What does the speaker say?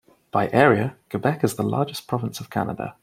By area, Quebec is the largest province of Canada.